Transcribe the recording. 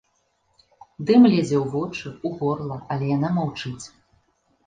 Дым лезе ў вочы, у горла, але яна маўчыць.